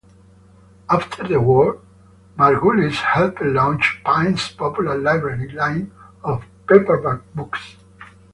After the war, Margulies helped launch Pines' Popular Library line of paperback books.